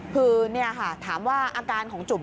คือนี่ค่ะถามว่าอาการของจุ๋ม